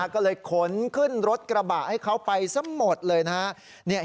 ก็เลยขนขึ้นรถกระบะให้เขาไปซะหมดเลยนะฮะ